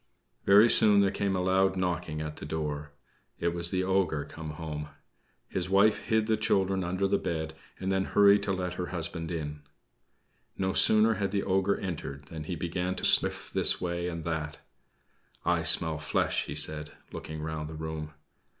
Very soon there came a loud knocking at the door. It was the ogre come home. His wife hid the children under the bed, and then hurried to let her husband in. No sooner had the ogre entered than he began to sniff this way and that. "I smell flesh," he said, looking round the room.